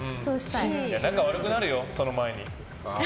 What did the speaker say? いや仲悪くなるよ、その前に。